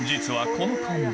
この看板